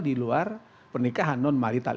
di luar pernikahan non marital